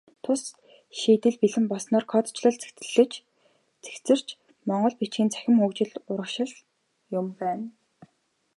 Тус шийдэл бэлэн болсноор кодчилол цэгцэрч, монгол бичгийн цахим хөгжил урагшлах юм байна.